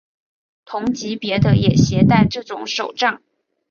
同级别的也携带这种手杖。